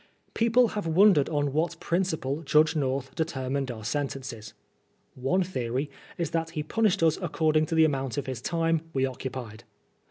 People have wondered on what principle Judge North determined our sentences. One theory is that he punished us according to the amount of his time we occupied.